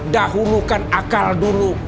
dahulukan akal dulu